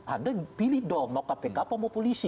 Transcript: anda pilih dong mau kpk apa mau polisi